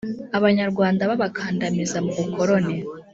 abanyarwanda babakandamiza mu bukoloni.